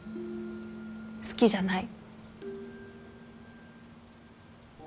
好きじゃない。